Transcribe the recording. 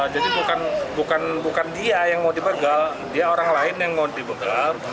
jadi bukan dia yang mau dibegal dia orang lain yang mau dibegal